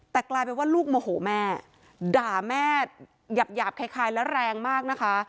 แต่กลายเป็นว่าลูกโมโหแม่ด่าแม่หยาบคล้ายและแรงมากนะคะ